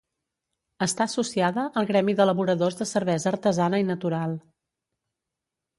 Està associada al Gremi d'Elaboradors de Cervesa Artesana i Natural.